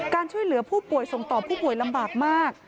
ช่วยเหลือผู้ป่วยส่งต่อผู้ป่วยลำบากมาก